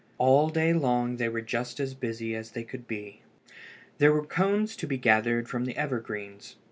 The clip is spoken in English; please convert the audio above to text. All day long they were just as busy as they could be. There were cones to be gathered from the evergreens.